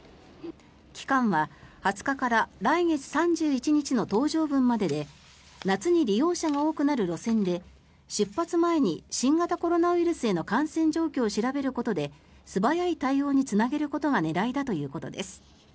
期間は２０日から来月３１日の搭乗分までで夏に利用者が多くなる路線で出発前に新型コロナウイルスへの感染状況を調べることで素早い対応につなげることが狙いだということです。